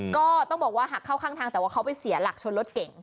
ก็ต้องบอกว่าหักเข้าข้างทางแต่ว่าเขาไปเสียหลักชนรถเก่ง